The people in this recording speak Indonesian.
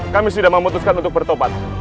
kami sudah memutuskan untuk bertobat